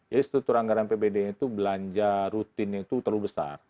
jadi struktur anggaran apbd nya itu belanja rutinnya itu terlalu besar